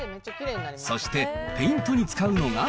そしてペイントに使うのが。